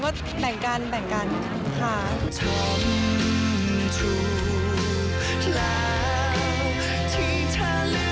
ว่าแต่งกันค่ะ